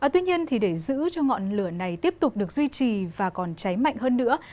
tuy nhiên để giữ cho ngọn lửa này tiếp tục được duy trì và còn cháy mạnh hơn nữa